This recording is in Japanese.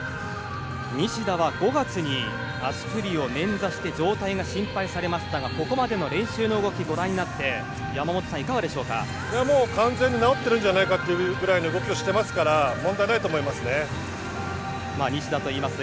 西田は５月に足首を捻挫して状態が心配されましたがここまでの練習の動きをご覧になって完全に治っているんじゃないかというぐらいの動きをしていますから問題ないと思いますね。